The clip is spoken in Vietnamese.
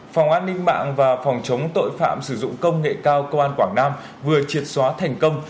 phòng an ninh mạng và phòng chống tội phạm sử dụng công nghệ cao công an quảng nam vừa triệt xóa thành công